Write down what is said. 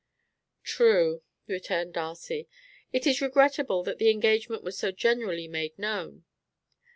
"True," returned Darcy. "It is regrettable that the engagement was so generally made known.